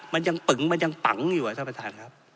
มันยังปึงมันยังปังอยู่ท่านประธานครับ